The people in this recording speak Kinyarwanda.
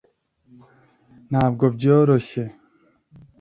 ntabwo biryoshye